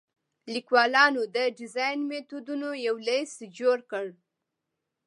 لیکوالانو د ډیزاین میتودونو یو لیست جوړ کړی.